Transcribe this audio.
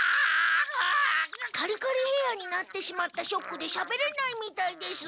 カリカリヘアーになってしまったショックでしゃべれないみたいです。